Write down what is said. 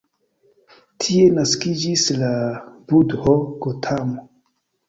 Tie naskiĝis la budho Gotamo.